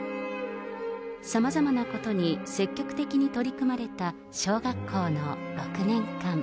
さまざまなことに積極的に取り組まれた小学校の６年間。